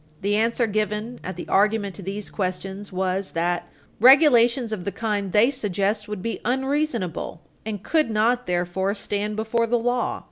The answer given at the argument to these questions was that regulations of the kind they suggest would be unreasonable, and could not, therefore, stand before the law.